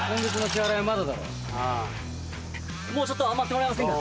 もうちょっと待ってもらえませんか？